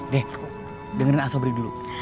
deh dengerin a sobri dulu